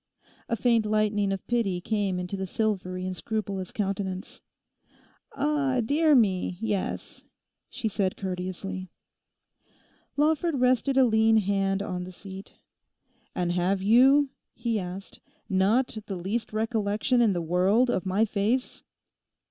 A faint lightening of pity came into the silvery and scrupulous countenance. 'Ah, dear me, yes,' she said courteously. Lawford rested a lean hand on the seat. 'And have you,' he asked, 'not the least recollection in the world of my face?